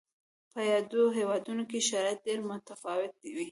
په یادو هېوادونو کې شرایط ډېر متفاوت و.